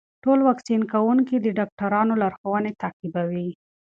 ټول واکسین کوونکي د ډاکټرانو لارښوونې تعقیبوي.